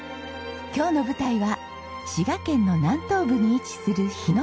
今日の舞台は滋賀県の南東部に位置する日野町。